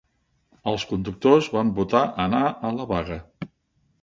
Els conductors van votar anar a la vaga.